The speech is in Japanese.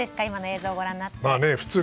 今の映像をご覧になって。